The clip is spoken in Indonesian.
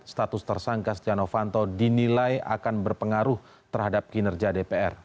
status tersangka setia novanto dinilai akan berpengaruh terhadap kinerja dpr